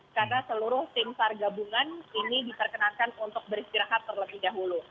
karena seluruh simsar gabungan ini diperkenalkan untuk beristirahat terlebih dahulu